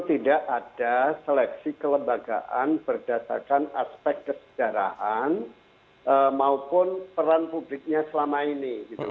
tidak ada seleksi kelembagaan berdasarkan aspek kesejarahan maupun peran publiknya selama ini